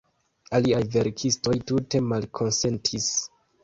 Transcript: Aliaj verkistoj tute malkonsentis.